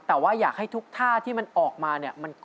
แต่อยากให้ทุกท่าที่มันออกมา